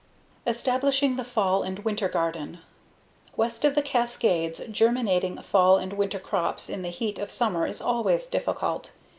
Establishing the Fall and Winter Garden West of the Cascades, germinating fall and winter crops in the heat of summer is always difficult.